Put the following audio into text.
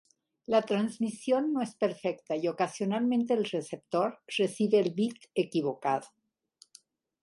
La transmisión no es perfecta, y ocasionalmente el receptor recibe el bit equivocado.